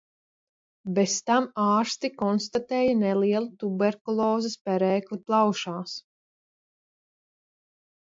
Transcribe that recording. Bez tam ārsti konstatēja nelielu tuberkulozes perēkli plaušās.